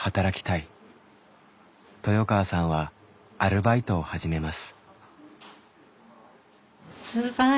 豊川さんはアルバイトを始めます。